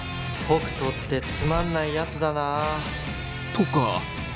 北斗ってつまんないやつだな。とか。